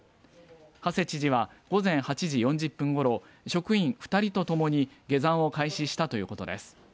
馳知事は午前８時４０分ごろ職員２人とともに下山を開始したということです。